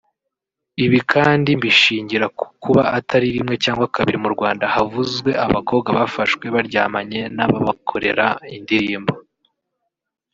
Ibi kandi mbishingira ku kuba atari rimwe cyangwa kabiri mu Rwanda havuzwe abakobwa bafashwe baryamanye n’ababakorera indirimbo